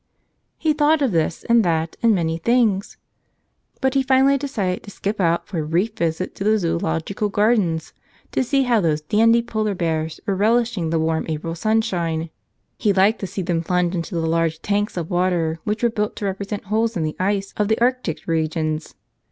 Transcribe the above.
He thought of this and that and many things. But he finally decided to skip out for a brief visit to the zoological gardens to see how those dandy polar bears were relishing the warm April sunshine. He liked to see them plunge into the large tanks of water which were built to represent holes in the ice of the Arctic regions.